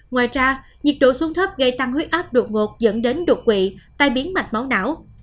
ngoài ra nhiệt độ xuống thấp gây tăng huyết áp đột ngột dẫn đến đột quỵ tai biến mạch máu não